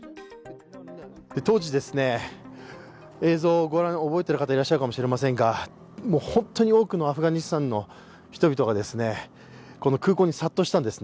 当時、映像を覚えている方、いらっしゃるかもしれませんが、本当に多くのアフガニスタンの人が空港に殺到したんですね。